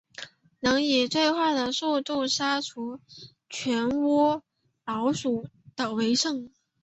能以最快速度杀除全窝老鼠的为胜。